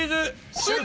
シュート！